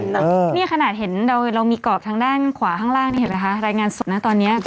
นี่ขนาดเห็นเรามีกรอบทางด้านขวาข้างล่างนี่เห็นไหมคะรายงานสดนะตอนนี้